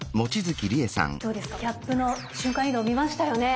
キャップの瞬間移動見ましたよね？